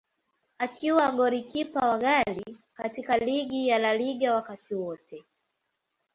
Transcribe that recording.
Akiwa golikipa wa ghali katika ligi ya La Liga wakati wote.